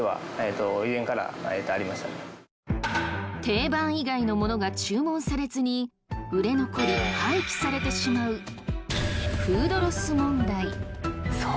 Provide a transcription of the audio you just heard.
定番以外のものが注文されずに売れ残り廃棄されてしまうフードロス問題。